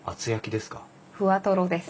ふわとろです。